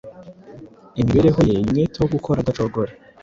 imibereho ye yuzuye umwete wo gukora adacogora.